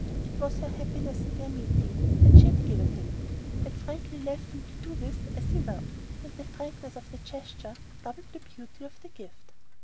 It was her happiness in their meeting that she had given him, had frankly left him to do with as he willed; and the frankness of the gesture doubled the beauty of the gift.